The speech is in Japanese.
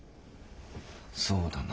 そうだな。